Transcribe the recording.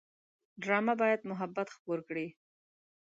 ډرامه باید محبت خپور کړي